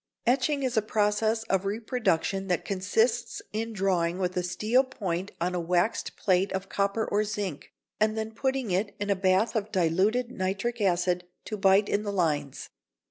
] Etching is a process of reproduction that consists in drawing with a steel point on a waxed plate of copper or zinc, and then putting it in a bath of diluted nitric acid to bite in the lines.